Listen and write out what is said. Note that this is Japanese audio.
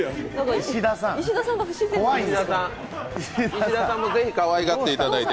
石田さんもぜひ、かわいがっていただいて。